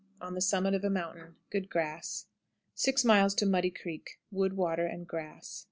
On the summit of a mountain. Good grass. 6. Muddy Creek. Wood, water, and grass.